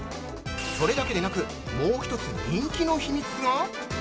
それだけでなく、もう一つ、人気の秘密が。